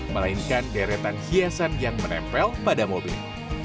melainkan deretan hiasan yang menempel pada mobil